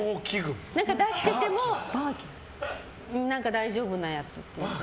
出してても大丈夫なやつというか。